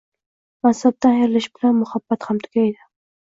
mansabdan ayrilish bilan “muhabbat” ham tugaydi.